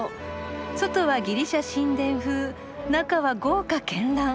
外はギリシャ神殿風中は豪華絢爛。